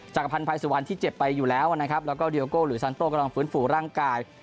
จักรพันธ์ภัยสุวรรณที่เจ็บไปอยู่แล้วนะครับแล้วก็เดียโก้หรือซันโต้กำลังฟื้นฟูร่างกาย